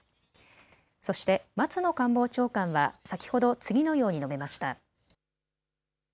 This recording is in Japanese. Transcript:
そして松野官房長官は先ほど次のように述べました。